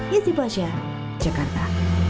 yesi pasha jakarta